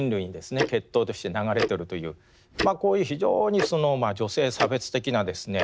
血統として流れているというこういう非常に女性差別的なですね